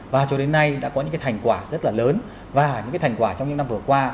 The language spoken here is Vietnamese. và cho đến nay đã có những cái thành quả rất là lớn và những cái thành quả trong những năm vừa qua